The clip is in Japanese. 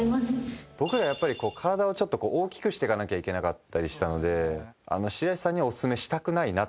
僕らやっぱり体をちょっと大きくしてかなきゃいけなかったりしたので白石さんにはお薦めしたくないなっていう。